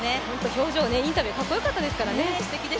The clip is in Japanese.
表情、インタビューかっこよかったですからね。